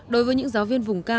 đối với những giáo viên vật chất lẫn